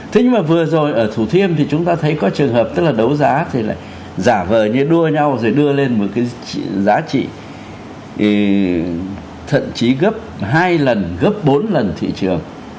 thế nhưng mà vừa rồi ở thủ thiêm thì chúng ta thấy có trường hợp tức là đấu giá thì lại giả vờ như đua nhau rồi đưa lên một cái giá trị thậm chí gấp hai lần gấp bốn lần thị trường